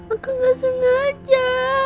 aku enggak sengaja